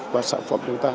và sản phẩm của chúng ta